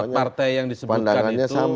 empat partai yang disebutkan itu melaporkan ke hukum